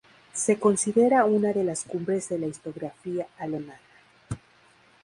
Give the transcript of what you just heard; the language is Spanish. Se considera una de las cumbres de la historiografía alemana.